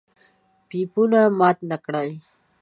پيپونه مات نکړئ!